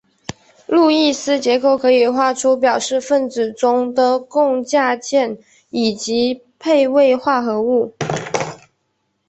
路易斯结构可以画出表示分子中的共价键以及配位化合物。